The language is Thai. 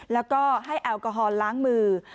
แล้วก็ให้แอลกอฮอลล้างมือ